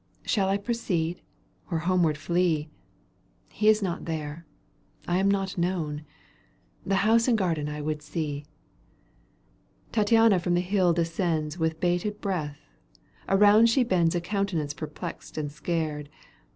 ^" Shall I proceed, or homeward flee ? He is not there : I am not known : The house and garden I would see." Tattiana from the hill descends With bated breath, around she bends A countenance perplexed and scared.